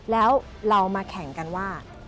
แล้วเรามาแข่งกันว่า